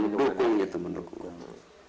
mendukung gitu menurut saya